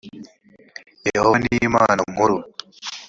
yehova ni imana nkuru